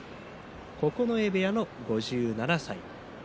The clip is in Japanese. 九重部屋の５７歳。